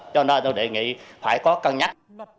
cho nên tôi đề nghị phải có cân nhắc